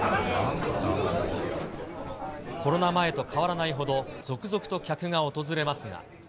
コロナ前と変わらないほど、続々と客が訪れますが。